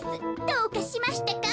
どうかしましたか？